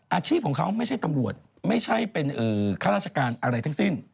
อาชีพของเขาไม่ใช่ตำรวจไม่ใช่เป็นข้าราชการอะไรทั้งสิ้น